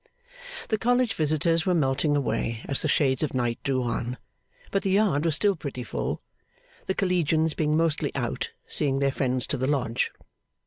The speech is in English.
The College visitors were melting away as the shades of night drew on, but the yard was still pretty full, the Collegians being mostly out, seeing their friends to the Lodge.